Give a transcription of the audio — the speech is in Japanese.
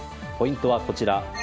ポイントはこちら。